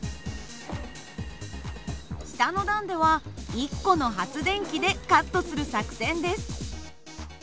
下の段では１個の発電機でカットする作戦です。